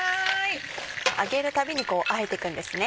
揚げるたびにあえてくんですね。